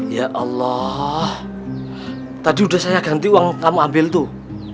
ya allah tadi sudah saya ganti uang kamu ambil tuh